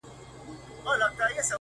د زړه كاڼى مــي پــر لاره دى لــوېـدلى!!